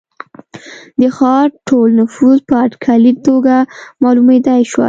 د ښار ټول نفوس په اټکلي توګه معلومېدای شوای.